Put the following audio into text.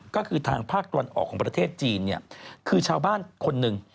ก็คือทางภาคตะวันออกของประเทศจีนเนี่ยคือชาวบ้านคนหนึ่ง